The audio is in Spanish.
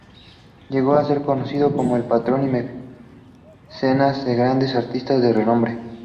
Llegó a ser conocido como el patrón y mecenas de grandes artistas de renombre.